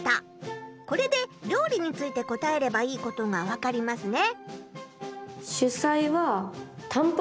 これで料理について答えればいいことが分かりますね。